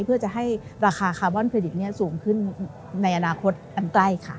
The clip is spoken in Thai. เพื่อจะให้ราคาคาร์บอนเครดิตสูงขึ้นในอนาคตอันใกล้ค่ะ